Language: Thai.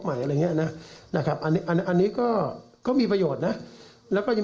ใหม่อะไรเนี่ยนะนะครับอันนี้ก็ก็มีประโยชน์นะแล้วก็ยัง